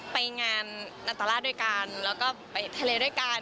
ไปงานอัตราชด้วยกันแล้วก็ไปทะเลด้วยกัน